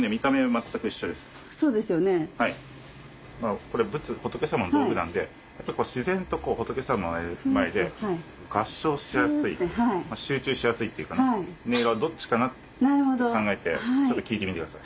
これ仏様の道具なんで自然と仏様の前で合掌しやすい集中しやすいっていうかね音はどっちかなって考えてちょっと聞いてみてください。